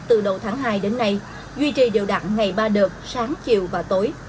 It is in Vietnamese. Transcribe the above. từ đầu tháng hai đến nay duy trì điều đẳng ngày ba đợt sáng chiều và tối